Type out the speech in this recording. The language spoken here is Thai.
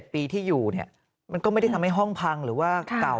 ปีที่อยู่มันก็ไม่ได้ทำให้ห้องพังหรือว่าเก่า